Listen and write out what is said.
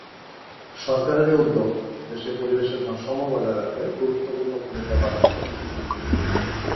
সরকারের এ উদ্যোগ দেশে পরিবেশের ভারসাম্য বজায় রাখতে গুরুত্বপূর্ণ ভূমিকা পালন করবে।